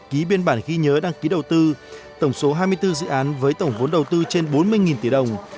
ký biên bản ghi nhớ đăng ký đầu tư tổng số hai mươi bốn dự án với tổng vốn đầu tư trên bốn mươi tỷ đồng